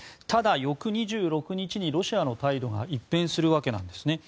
ただ、翌２６日にロシアの態度が一変するわけです。